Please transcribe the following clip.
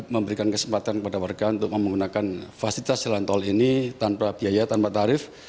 memberikan kesempatan kepada warga untuk menggunakan fasilitas jalan tol ini tanpa biaya tanpa tarif